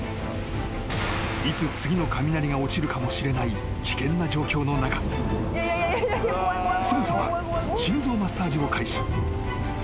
［いつ次の雷が落ちるかもしれない危険な状況の中すぐさま心臓マッサージを開始］